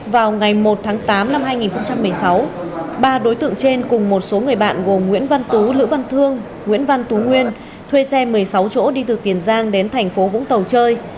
vào ngày một tháng tám năm hai nghìn một mươi sáu ba đối tượng trên cùng một số người bạn gồm nguyễn văn tú lữ văn thương nguyễn văn tú nguyên thuê xe một mươi sáu chỗ đi từ tiền giang đến thành phố vũng tàu chơi